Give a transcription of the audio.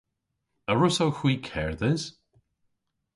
A wrussowgh hwi kerdhes?